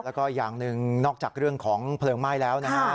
แล้วก็อย่างหนึ่งนอกจากเรื่องของเพลิงไหม้แล้วนะฮะ